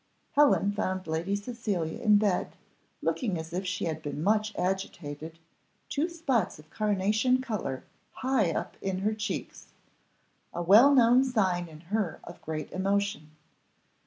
Helen found Lady Cecilia in bed, looking as if she had been much agitated, two spots of carnation colour high up in her cheeks, a well known sign in her of great emotion.